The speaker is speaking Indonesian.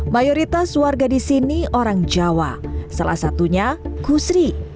mayoritas warga di sini orang jawa salah satunya kusri